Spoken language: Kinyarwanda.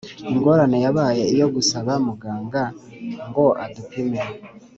. Ingorane yabaye iyo gusaba muganga ngo adupime.